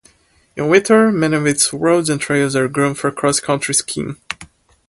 In winter, many of its roads and trails are groomed for cross country skiing.